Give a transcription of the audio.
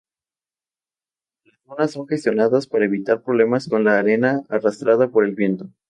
Las dunas son gestionadas para evitar problemas con la arena arrastrada por el viento.